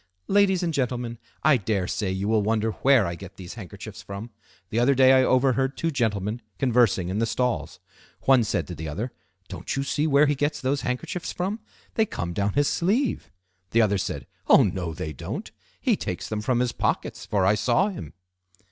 "Ladies and gentlemen, I dare say you will wonder where I get these handkerchiefs from. The other day I overheard two gentlemen conversing in the stalls. One said to the other, 'Don't you see where he gets those handkerchiefs from? They come down his sleeve.' The other said, 'Oh! no, they don't. He takes them from his pockets, for I saw him.